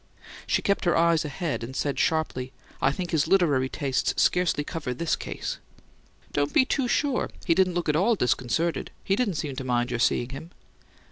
She kept her eyes ahead, and said sharply, "I think his literary tastes scarcely cover this case!" "Don't be too sure. He didn't look at all disconcerted. He didn't seem to mind your seeing him."